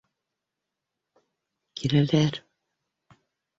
Киләләр!